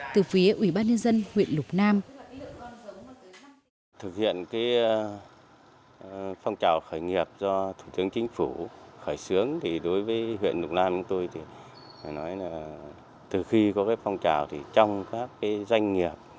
từ phía ủy ban nhân dân huyện lục nam